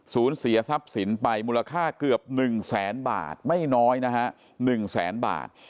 เสียทรัพย์สินไปมูลค่าเกือบ๑แสนบาทไม่น้อยนะฮะ๑แสนบาท